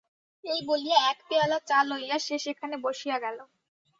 এই বলিয়া এক পেয়ালা চা লইয়া সে সেখানে বসিয়া গেল।